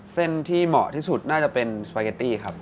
เส้นที่เหมาะที่สุดน่าจะเป็นสปาเกตตี้ครับ